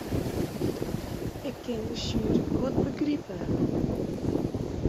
Ik kin de sjuery goed begripe.